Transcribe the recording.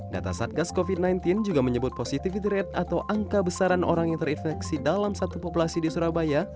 data satgas covid sembilan belas juga menyebut positivity rate atau angka besaran orang yang terinfeksi dalam satu populasi di surabaya